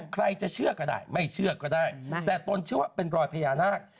ใครจะเชื่อก็ได้ไม่เชื่อก็ได้แต่ตนเชื่อว่าเป็นรอยพญานาค